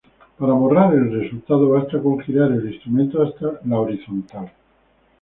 Para "borrar" el resultado basta con girar el instrumento hasta la horizontal.